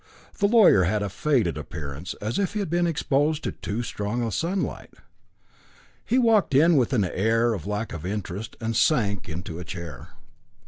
The lawyer had a faded appearance, as if he had been exposed to too strong sunlight; he walked in with an air of lack of interest, and sank into a chair.